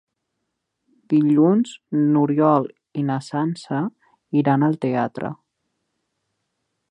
Dilluns n'Oriol i na Sança iran al teatre.